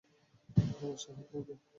বসে হাত নাড়ব।